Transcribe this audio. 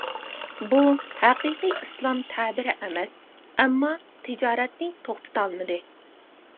بۇ ھەقىقىي ئىسلام تەبىرى ئەمەس، ئەمما تىجارەتنى توختىتالمىدى.